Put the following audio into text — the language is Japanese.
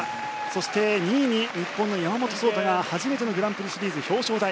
そして２位に日本の山本草太が初めてのグランプリシリーズ表彰台。